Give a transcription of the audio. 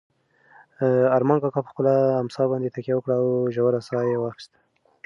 ارمان کاکا په خپله امسا باندې تکیه وکړه او ژوره ساه یې واخیسته.